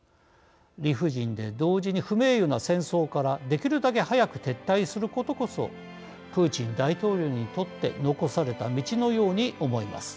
理不尽で同時に不名誉な戦争からできるだけ早く撤退することこそプーチン大統領にとって残された道のように思います。